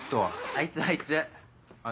あいつあいつ。